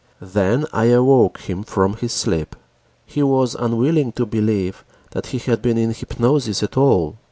Then I awoke him from his sleep. He was unwilling to believe that he had been in hypnosis at all.